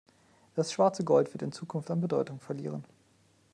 Das schwarze Gold wird in Zukunft an Bedeutung verlieren.